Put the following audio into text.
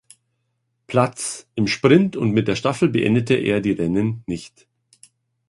Platz, im Sprint und mit der Staffel beendete er die Rennen nicht.